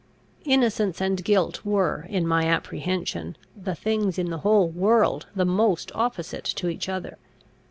Innocence and guilt were, in my apprehension, the things in the whole world the most opposite to each other.